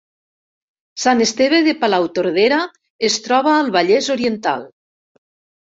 Sant Esteve de Palautordera es troba al Vallès Oriental